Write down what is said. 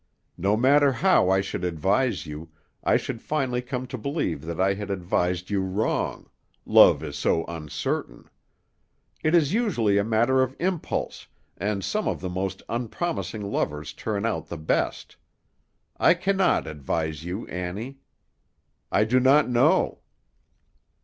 "No matter how I should advise you, I should finally come to believe that I had advised you wrong, love is so uncertain. It is usually a matter of impulse, and some of the most unpromising lovers turn out the best. I cannot advise you, Annie; I do not know."